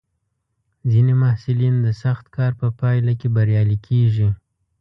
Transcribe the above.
ځینې محصلین د سخت کار په پایله کې بریالي کېږي.